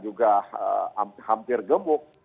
juga hampir gemuk